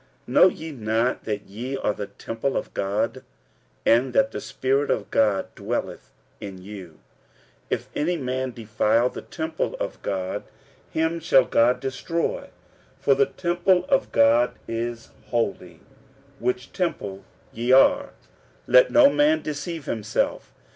46:003:016 Know ye not that ye are the temple of God, and that the Spirit of God dwelleth in you? 46:003:017 If any man defile the temple of God, him shall God destroy; for the temple of God is holy, which temple ye are. 46:003:018 Let no man deceive himself.